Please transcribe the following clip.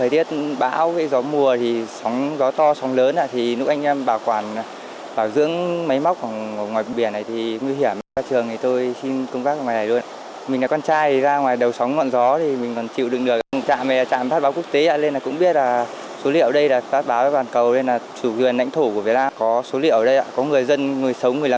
để giúp cho người sống người làm việc trên đảo